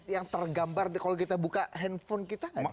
yang tergambar kalau kita buka handphone kita gak